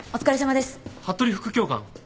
服部副教官。